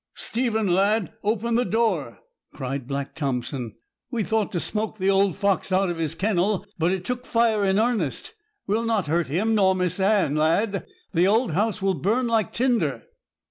'Stephen, lad, open the door!' cried Black Thompson. 'We thought to smoke the old fox out of his kennel, but it's took fire in earnest. We'll not hurt him, nor Miss Anne. Lad! the old house will burn like tinder.'